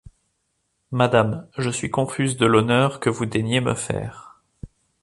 Madame, je suis confuse de l’honneur que vous daignez me faire…